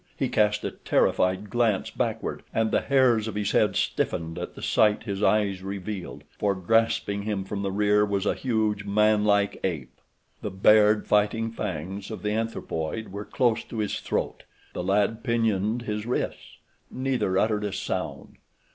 He cast a terrified glance backward, and the hairs of his head stiffened at the sight his eyes revealed, for grasping him from the rear was a huge, man like ape. The bared fighting fangs of the anthropoid were close to his throat. The lad pinioned his wrists. Neither uttered a sound.